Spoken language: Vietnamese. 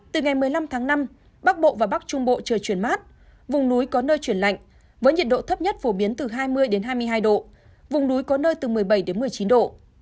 từ ngày một mươi năm tháng năm bắc bộ và bắc trung bộ trời chuyển mát vùng núi có nơi chuyển lạnh với nhiệt độ thấp nhất phổ biến từ hai mươi hai mươi hai độ vùng núi có nơi từ một mươi bảy một mươi chín độ